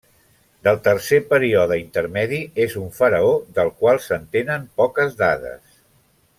Del Tercer període intermedi, és un faraó del qual se'n tenen poques dades.